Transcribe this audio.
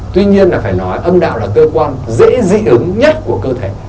tuy nhiên là phải nói âm đạo là cơ quan dễ dị ứng nhất của cơ thể